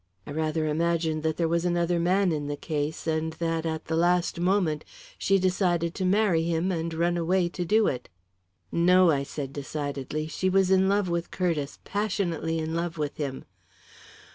I rather imagined that there was another man in the case, and that, at the last moment, she decided to marry him and ran away to do it." "No," I said decidedly, "she was in love with Curtiss passionately in love with him."